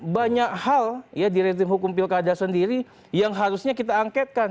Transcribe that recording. banyak hal ya di rezim hukum pilkada sendiri yang harusnya kita angketkan